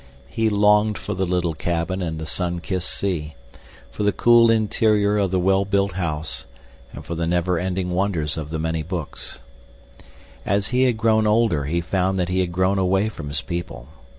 He longed for the little cabin and the sun kissed sea—for the cool interior of the well built house, and for the never ending wonders of the many books. As he had grown older, he found that he had grown away from his people.